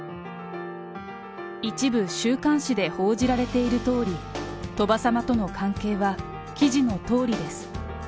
一部週刊誌で報じられているとおり、鳥羽様との関係は記事のとおりです。